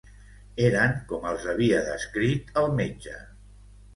Eren com els havia descrit el metge.